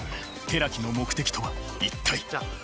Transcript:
寺木の目的とは一体。